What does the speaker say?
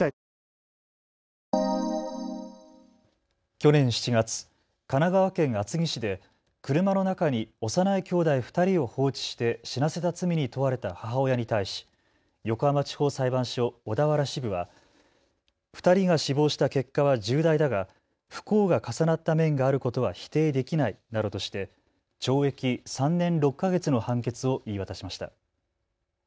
去年７月、神奈川県厚木市で車の中に幼いきょうだい２人を放置して死なせた罪に問われた母親に対し横浜地方裁判所小田原支部は２人が死亡した結果は重大だが不幸が重なった面があることは否定できないなどとして懲役３年６か月の判決を言い渡しました。